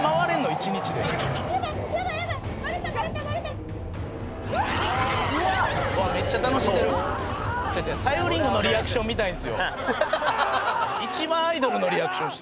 一番アイドルのリアクションしてるやん。